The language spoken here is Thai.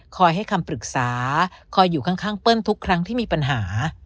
ให้คำปรึกษาคอยอยู่ข้างเปิ้ลทุกครั้งที่มีปัญหา